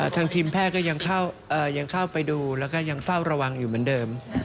ทางทีมแพทย์ก็ยังเข้าไปดูแล้วก็ยังเฝ้าระวังอยู่เหมือนเดิม